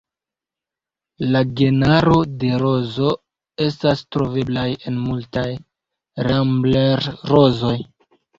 La genaro de rozo estas troveblaj en multaj Rambler-rozoj.